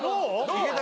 いけた？